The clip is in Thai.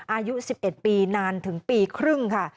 อายุ๑๑ปีนานถึงปีครึ่งค่ะ